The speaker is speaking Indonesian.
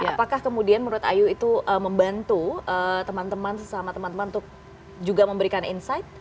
apakah kemudian menurut ayu itu membantu teman teman sesama teman teman untuk juga memberikan insight